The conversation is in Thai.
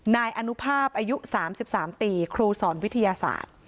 นายอนุภาพอายุ๓๓ปีครูสอนวิทยาศาสตร์